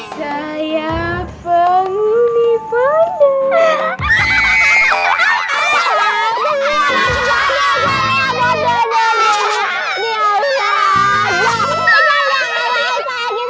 saya pengguni pandang